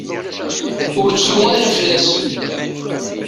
Ur ttru ara fell-asen.